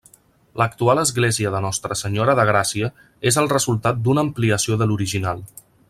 L'actual església de Nostra Senyora de Gràcia és el resultat d'una ampliació de l'original.